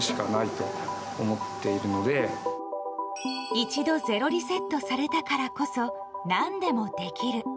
一度ゼロリセットされたからこそ何でもできる。